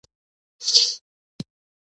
دا هغه درس و چې ما ورته اړتيا درلوده.